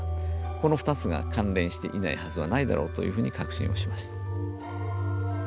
この２つが関連していないはずはないだろうというふうに確信をしました。